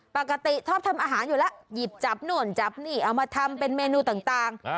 ปกติชอบทำอาหารอยู่แล้วหยิบจับนู่นจับนี่เอามาทำเป็นเมนูต่าง